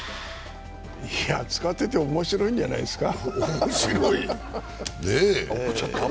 いや、使ってて面白いんじゃないですか。